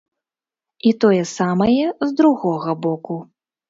І тое самае з другога боку.